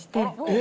え！